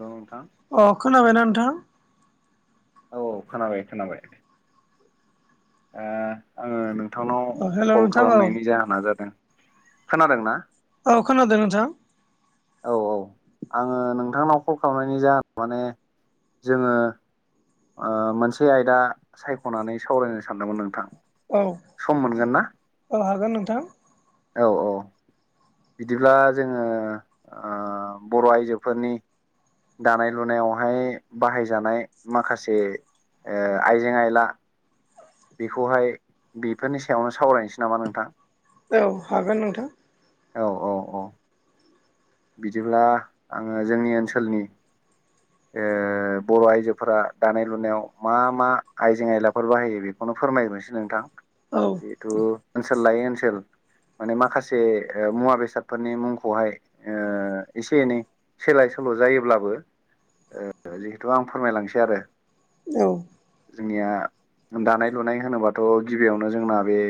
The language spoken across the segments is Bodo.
औ नोंथां। अ खोनाबायना नोंथां? औ औ खोनाबाय खोनाबाय ओ आङो नोंथांनाव औ हेल' कल नोंथां औ खालामनायनि जाहोना जादों खोनादों ना? औ खोनादो नोंथां। औ औ आङो नोंथांनाव कल खालामनायनि जाहोना माने जोङो ओ मोनसे आयदा सायख'नानै सावरायनो सानदोंमोन नोंथां। औ सम मोनगोन ना औ हागोन नोंथां औ औ। बिदिब्ला जोङो ओ बर' आइजोफोरनि दानाय-लुनायावहाय बाहायजानाय माखासे ओ आइजें-आइला बेखौहाय बेफोरनि सायावनो सावरायनोसै नामा नोंथां? औ हागोन नोंथां। औ औ औ बिदिब्ला आङो जोंनि ओनसोलनि ओ बर' आइजोफोरा दानाय-लुनायाव मा मा आइजें-आइलाफोर बाहायो बे बखौनो फोरमायग्रोनोसै नोंथां। औ जिथु ओनसोल लायै ओनसोल माने माखासे मुवा बेसादफोरनि मुंखौहाय एसे एनै सोलाय सोल' जायोब्लाबो जिहेथु आं फोरमायलांसै आरो औ जोंनिया दानाय लुनाय होनोबाथ' गिबियावनो जोंना बे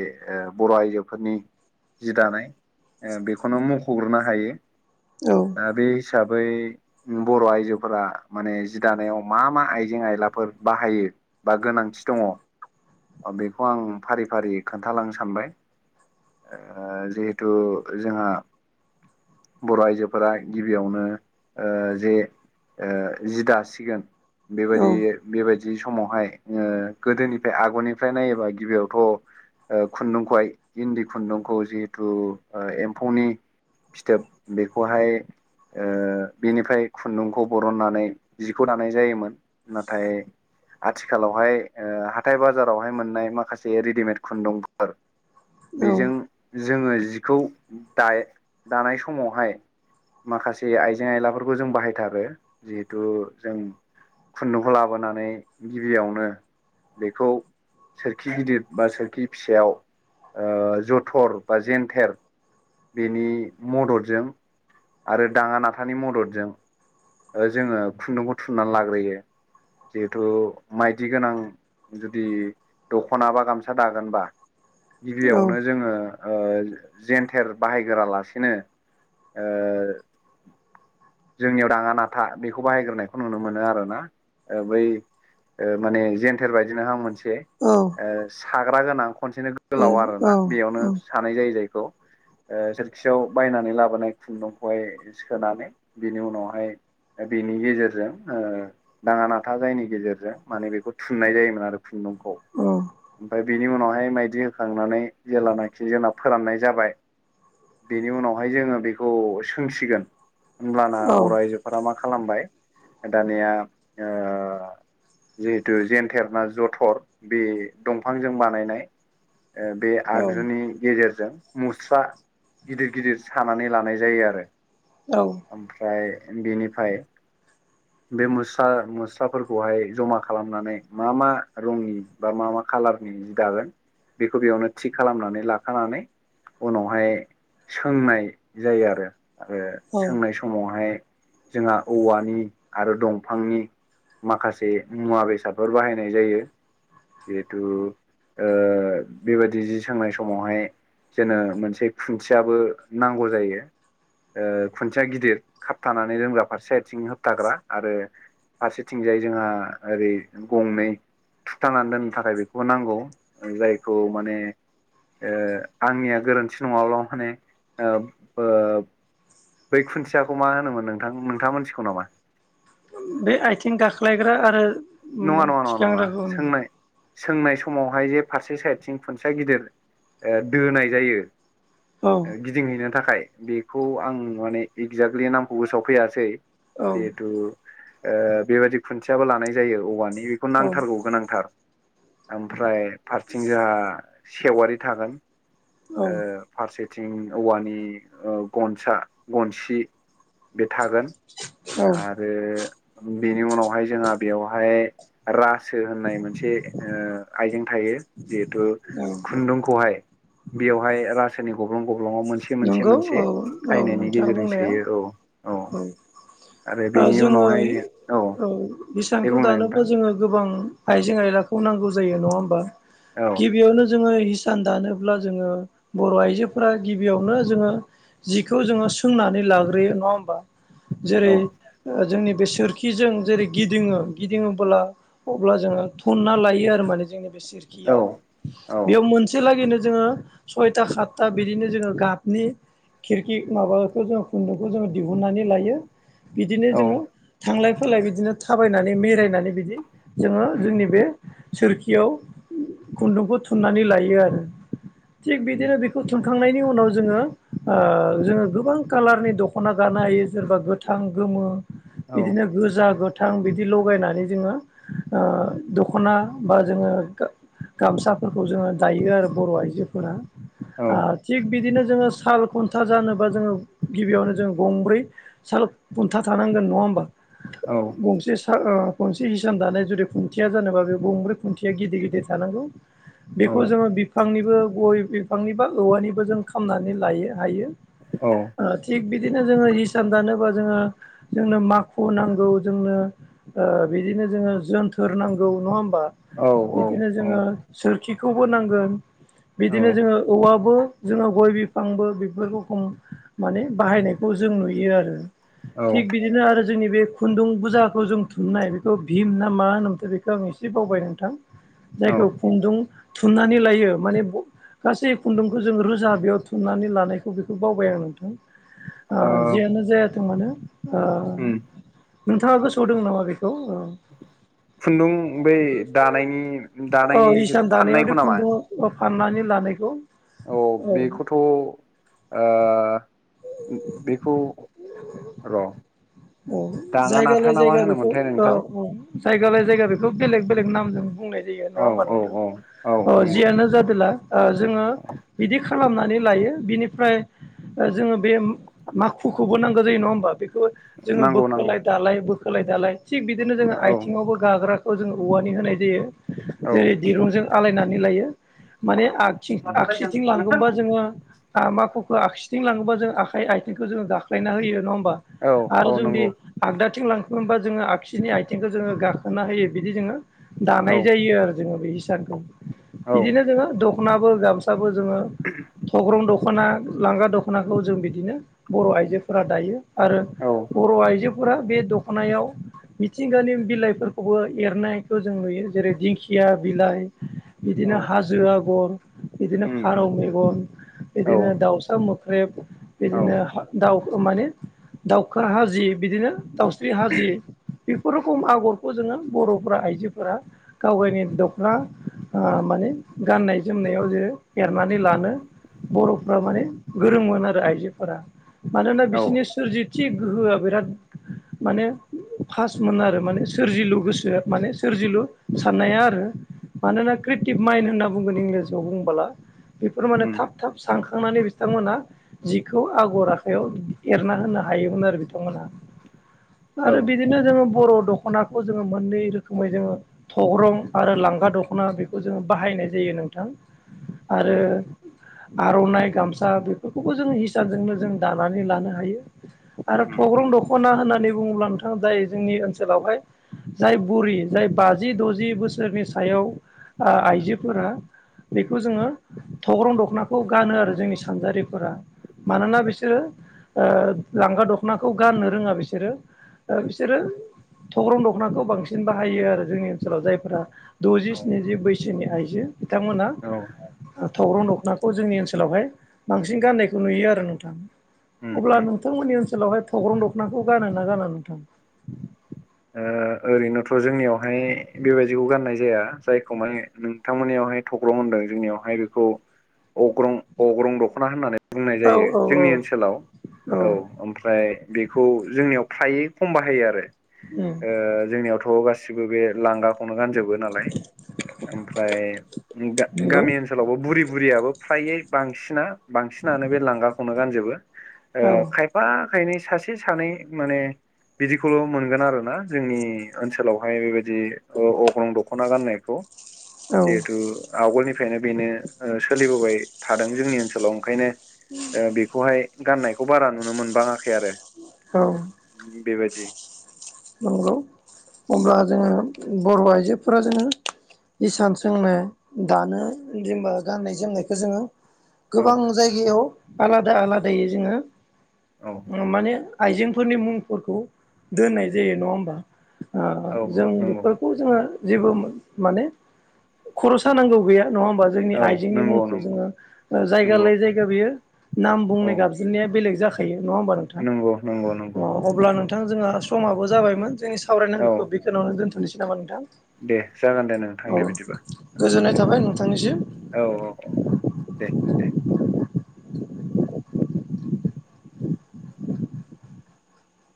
बर' आइजोफोरनि जि दानाय बेखौनो मख'ग्रोनो हायो औ दा बे हिसाबै बर' आइजोफोरा माने जि दानायाव मा मा आइजें आयलाफोर बाहायो बा गोनांथि दङ बेखौ आं फारि फारि खोन्थालांनो सानबाय जिहेथु जोंहा बर' आइजोफोरा गिबियावनो ओ जे ओ जि दासिगोन औ बेबायदि बेबायदि समावहाय गोदोनिफ्राय आगरनिफ्राय नायोबा गिबियावथ' खुन्दुंखौहाय इन्दि खुन्दुंखौ जिहेथु एम्फौनि फिथोब बेखौहाय बिनिफ्राय खुन्दुंखौ बरननानै जिखौ दानाय जायोमोन। नाथाय आथिखालावहाय हाथाय बाजारावहाय मोननाय माखासे रेडिमेड खुन्दुंफोर औ बेजों जोङो जिखौ दा दानाय समावहाय माखासे आइजें आइलाफोरखौ जों बाहायथारो जिहेथु जों खुन्दुंखौ लाबोनानै गिबियावनो बेखौ सोरखि गिदिर बा सोरखि फिसायाव जथर बा जेनथेर बेनि मददजों आरो दाङा नाथानि मददजों जोङो खुन्दुंखौ थुननानै लाग्रोयो जिहेथु माइदि गोनां जुदि दख'ना बा गामसा दागोनबा गिबियावनो जोङो जेनथेर बाहायगोरालासिनो ओ जोंनियाव दाङा नाथा बेखौ बाहायग्रोनायखौ नुनो मोनो आरोना ओ बै ओ माने जेन्थेर बायदिनो हा मोनसे साग्रा गोनां खनसेनो गोलाव आरोना बेयावनो सानाय जायो जायखौ। ओ जोखियाव बायनानै लाबोनाय खुन्दुंखौहाय सोनानै बेनि उनाव ओमफाय बेनि गेजेरजों ओ दाङा नाथा जायनि गेजेरजों माने बेखौ थुननाय जायोमोन आरो खुन्दुंखौ ओमफ्राय बिनि उनावहाय माइदि होखांनानै जेलानाखि जोंना फोराननाय जाबाय बेनि उनावहाय जोङो बेखौ सोंसिगोन होमब्लाना आयजोफोरा मा खालामबाय दानिया ओ जिहेथु जेेनथेर ना जथर बे दंफांजों बानायनाय बे औ आगजुनि गेजेरजों मुस्रा गिदिर गिदिर सानानै लानाय जायो आरो। औ ओमफ्राय बेनिफ्राय बे मुस्रा मुस्राफोरखौहाय जमा खालामनानै मा मा रंनि बा मा मा खालारनि जि दागोन बेखौ बेयावनो थिग खालामनानै लाखानानै उनावहाय सोंनाय जायो आरो सोंनाय समाव समावहाय जोंहा औवानि आरो दंफांनि माखासे मुवा बेसादफोर बाहायनाय जायो। जिहेथु बेबादि जि सोंनाय समावहाय जेनो मोनसे खुन्थियाबो नांगौ जायो खुन्थिया गिदिर खाबथानानै दोनग्रा फारसे आथिं होबथाग्रा आरो फारसेथिंजाय जोंहा ओरै गंनै थुथाबनानै दोननो थाखाय बेखौ नांगौ जायखौ माने ओ आंनिया गोरोन्थि नङाब्ला माने बै खुन्थियाखौ मा होनोमोन नोंथां नोंथां मा मोनथिगौ नामा? बे आयथिं गाख्लायग्रा आरो नङा नङा नङा नङ नङा थिखांग्राखौ सोंनाय सोंनाय समावहाय जे फारसे साइदथिं खुनथिया गिदिर दोनाय जायो औ गिदिंहैनो थाखाय बेखौ आं माने एगजेक्टलि नामखौ गोसोआव फैयासै औ जिहेथु बेबायादि खुन्थियाबो लानाय जायो औवानि बेखौ औ नांथारगौ गोनांथार ओमफ्राय फारथिं जोंहा सेवारि थागोन औ फारसेथिं औवानि गनसा गनसि बे थागोन औ आरो बेनि उनावहाय जोंहा बेवहाय रासो होननाय मोनसे आइजें थायो जिहेथु खुन्दुंखौहाय बेयावहाय रासो सोरनि गब्लं गब्लंवाव मोनसे मोनसे नंगौ मोनसे औ औ खायनायनि नोंथाङा गेजेरजों बुंनाया सोयो औ औ आरो बेनि उनावहाय औ दे इसानखौ बुंनाय दानोब्ला नोंथां जोङो गोबां आइजें आयलाखौ नांगौ जायो नङा होमबा औ गिबियावनो जोङो हिसान दानोब्ला जोङो बर' आइजोफोरा गिबि गिबियावनो जोङो जिखौ जोङो सोंनानै लाग्रोयो नङा होमबा जेरै औ जोंनि बेसोर खिजों जेरै गिदिङो गिदिङोबो्ला अब्ला जोङो थुनना लायो आरो माने जोंनि बे सोरखि औ औ बेयाव मोनसे लागैनो जोङो सयथा सातथा बिदिनो जोंङो गाबनि खिरखि माबाखौ जो खुन्दुंखौ जोङो दिहुननानै लायो बिदिनो औ जोङो थांलाय फैलाय बिदिनो थाबायनानै मेरायनानै बिदि जोङो उम जोंनि बे सोरखियाव खुन्दुंखौ थुननानै लायो आरो थिग उम बिदिनो थुनखांनायनि उनाव जोङो जोङो गोबां कालारनि दख'ना गानो हायो जेनेबा गोथां गोमो औ बिदिनो गोजा गोथां बिदि लगायनानै जोङो दख'ना बा जोङो गामसाफोरखौ जोङो दायो आरो बर' आइजोफोरा औ थिग बिदिनो जोङो साल खुन्था जानोबा जोङो गिबियावनो जोङो गंब्रै साल खुन्था थानांगोन नङा होमबा औ गंसे गंसे हिसान दानाय जुदि खुन्थिया जानोबा बे गंब्रै खुन्थिया गिदिर गिदिर थानांगौ औ बेखौ जोङो बिफांनिबो गय बिफांनि बा औवानिबो जों खालामामनानै लायो हायो औ थिग बिदिनो जोङो इसान दानोबा जोङो जोंनो माखु नांगौ जोंनो बिदिनो जोङो जोनथोर नांगौ नङा होमबा औ बिदिनो जोङो सोरखिखौबो नांगोन औ बिदिनो जोङो औवाबो जोङो गय बिफांबो बे खम माने बाहायनायखौ जों नुयो आरो थि औ बिदिनो बिदिनो आरो जोंनि बे खुन्दुं बुजाखौ जों थुमनाय बेखौ भिम ना मा होनोमोनथाय बेखौ आं एसे बावबाय नोंथां औ जायखौ खुन्दुं थुननानै लायो माने गासै खुन्दुंखौ जों रोजा जों बेयाव थुननानै लानायखौ बेखौ बावबाय आं नोंथां ओ जियानो जाया मोनो ओ उम नोंथाङा गोसोआव दं नामा बेखौ? खुन्दुं बै दानायनि दानायनि जिहेथु फाननायखौ नामा? बा फाननानै लानायखौ औ बेखौथ' ओ बेखौ र' औ दाङा जायगा नाथा लायै ना मा जायगा बेखौ होनोमोनथाय औ नोंथां औ जायगा लायै जायगा बेखौ बेलेग बेलेग नामजों बुंनाय नङा औ होनबा औ औ औ नोंथां नंगौ जियानो जादोंला ऐ जोङो बिदि खालामनानै लायो बिनिफ्राय ओ जोङो बे माखुखौबो नांगो जायो नङा होमबा बेखौ जोङो नांगौ नांगौ बोखोलाय दालाय, बोखोलाय दालाय थिग बिदिनो औ जोङो आइथिङावबो गाग्रा खौ जोङो औवानि होनाय जायो औ जेरै दिरुंजों आलायनानै लायो माने आ थिं औ आगसिथिं लांगोमबा जोङो आ माखुखो आखसिथिं लाङोबा जों आखाइ आथिंखौ जोङो गाख्लायना होयो नङा ओमबा? आरो औ जोंदि नंगौ आगदाथिं लांखिबा जोङो आगसिनि आइथिंखौ जोङो गाखोना होयो बिदि जोङो औ दानाय जायो आरो जोङो बे हिसानखौ औ बिदिनो जोङो दख'नाबो, गामसाबो जोङो थग्रं दख दख'ना लांगा दख'नाखौ जों बिदिनो बर' आइजोफोरा दायो आरो। औ बर' आइजोफोरा बे दख दख'नायाव मिथिंगानि बिलाइफोरखौबो एरनायखौ जों नुयो जेरै दिंखिया बिलाइ औ बिदिनो हाजो आगर, बिदिनो उम फारौ उम मेगन औ बिदिनो दाउसा मोख्रेब औ बिदिनो दाउ माने खा हाजि बिदिनो दाउस्रि हाजि बेफोर रोखोम आगरखौ जोङो बर'फ आइजोफोरा गाव गावनि दख'ना माने गाननाय जोमनायाव जे एरनानै लानो बर'फ्रा माने गोरोंमोन आरो आइजोफोरा मानोना औ बिसोरनि सोरजि थि गोहोआ बिराद माने फासमोन आरो माने सोरजिलु गोसोआ माने सोरजिलु साननाया आरो मानोना क्रिटिभ माइन्द होनना बुंगोन इंराजियाव बुंबोला। बेफोर माने उम थाब थाब सानखांनानै बिथांमोनहा जिखौ आगर आखायाव एरना होनो हा हायोमोन आरो बिथांमोना औ आरो बि बिदिनो जोङो बर' दख'नाखौ जोङो मोननै रोखोमै जोङो थग्रं आरो लांगा दख'ना बेखौ जोङो बाहायनाय जायो नोंथां आरो उम आर'नाइ, गामसा बेफोरखौबो जों हिसानजोंनो जों दानानै लानो हायो। आरो उम थग्रं दख'ना होननानै बुङोब्ला नोंथां जाय जोंनि ओनसोलावहाय जाय बुरि जाय बाजि द'जि बोसोरनि सायाव ओ आइजोफोरा बेखौ जोङो थग्रं दखनाखौ गानो आरो जोंनि सानजारिफोरा मानोना बिसोरो ओ लांगा दख'नाखौ गाननो रोङा बिसोरो ओ बिसोरो थग्रं दख'नाखौ बांसिन बाहायो आरो जोंनि ओनसोलाव जायफोरा द'जि, औ स्निजि बैसोनि आइजो औ बिथांमोनहा थग्रं दख'नाखौ जोंनि ओनसोलावहाय बांसिन गाननायखौ नुयो आरो नोंथां उम उम अब्ला नों थांमोननि ओनसोलावहाय थख्रं दखनाखौ गानो ना गाना नोंथां? ओ ओरैनोथ' जोंनियावहाय बेबायदिखौ गाननाय जाया जायखौ माने नोंथांमोननियावहाय थग्रं होनदों जोंनियावहाय बेखौ अग्रं अग्रं दखना होननानै बुंनाय औ जायो जोंनि ओनसोलाव औ ओमफ्राय बेखौ जोंनियाव फ्रायै खम बाहायो आरो। ओम। ओ जोंनियावथ' गासिबो बे लांगाखौनो गानजोबो। नालाय ओमफ्राय नंगौ गा-गामि ओन ओनसोलावबो बुरि बुरियाबो फ्रायै बांसिना बांसिनानो बे लांगाखौनो गानजोबो। ओ औ खायफा खायनै सासे सानै माने बिदिखौ मोनगोन आरोना जोंनि ओनसोलावहाय बे बायदि अग्रं दख'ना गाननायखौ। औ जिहेथु आवगोलनिफ्रायनो बेनो ओ सोलिबोबाय थादों जोंनि ओनसोलाव ओंखायनो। ओ बेखौहाय गाननायखौ बारा नुनो मोनबाङाखै आरो। औ। बे बायदि नंगौ। अब्ला जोङो बर' आइजोफोरा जोङो हिसान सोंनो दानो जेनबा गान्नाय जोमनायखौ जोङो औ गोबां जायगायाव आलादा आलादायै औ जोङो माने आइजेंफोरनि मुंफोरखौ दोननाय जायो नङा होमबा। औ जों नंगौ बेफोर खौ जोङो जेबो माने खरसा नांगौ गैया नङा होमबा। जोंनि औ आइजेंनि नंगौ मुंखौ नंगौ जोङो जायगा नंगौ लाय जायगा बेयो नाम औ बुंनाय गाबज्रिनाया बेलेग जाखायो नङा होमबा नोंथां। नंगौ नंगौ नंगौ। अ अब्ला नोंथां जोंहा समाबो जाबायमोन जोंनि सावरायनांगौखौ औ बेखिनियिवनो दोन्थ'नोसै नामा नोंथां। दे जागोन दे नोंथां दे औ बिदिबा गोजोननाय दे थाबाय नोंथांनिसिम। औ औ औ दे। दे